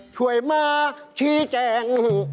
ช่วยมาชี้แจง